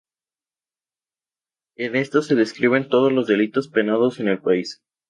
En estos se describen todos los delitos penados en el país.